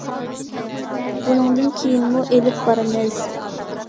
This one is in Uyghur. بۇنىڭدىن كېيىنمۇ ئېلىپ بارىمىز.